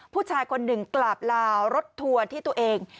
ผู้ชายคนหนึ่งกราบลาวรถทัวร์ที่ตัวเอง